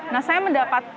nah saya mendapat